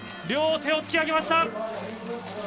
両手を突き上げました。